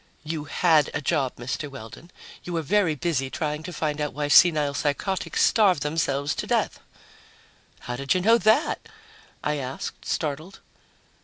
"You had a job, Mr. Weldon. You were very busy trying to find out why senile psychotics starve themselves to death." "How did you know that?" I asked, startled.